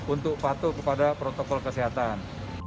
untuk patuh kepada protokol kesehatan